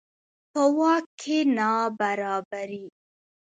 په واک کې نابرابري.